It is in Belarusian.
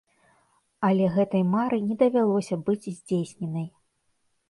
Але гэтай мары не давялося быць здзейсненай.